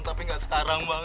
tapi gak sekarang bang